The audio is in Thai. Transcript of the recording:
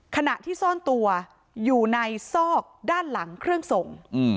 ขณะที่ซ่อนตัวอยู่ในซอกด้านหลังเครื่องส่ง